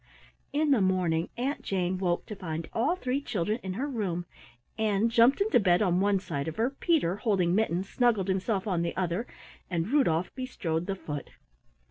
In the morning Aunt Jane woke to find all three children in her room. Ann jumped into bed on one side of her, Peter, holding Mittens, snuggled himself on the other, and Rudolf bestrode the foot.